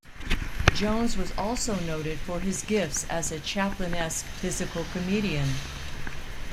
Jones was also noted for his gifts as a Chaplinesque physical comedian.